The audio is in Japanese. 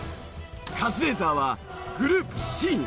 カズレーザーはグループＣに。